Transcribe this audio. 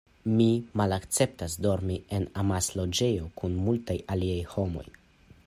Mi malakceptas dormi en amasloĝejo kun multaj aliaj homoj.